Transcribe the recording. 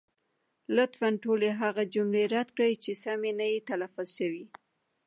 لطفا ټولې هغه جملې رد کړئ، چې سمې نه دي تلفظ شوې.